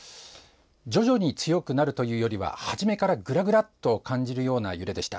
徐々に強くなるというよりは初めから、ぐらぐらと感じるような揺れでした。